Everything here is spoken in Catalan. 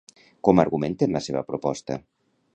Com argumenten la seva proposta?